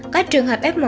các trường hợp f một